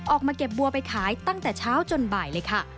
ออกมาเก็บบัวไปขายตั้งแต่เช้าจนบ่ายเลยค่ะ